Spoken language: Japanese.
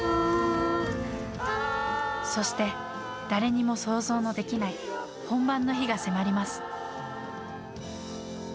そして誰にも想像のできない本番の日が迫ります。